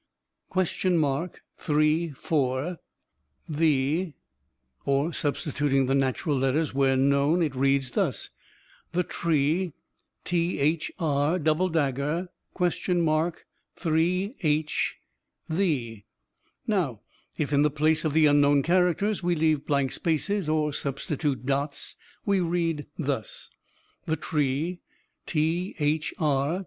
34 the, or, substituting the natural letters, where known, it reads thus: the tree thr[double dagger]?3h the. "Now, if, in the place of the unknown characters, we leave blank spaces, or substitute dots, we read thus: the tree thr...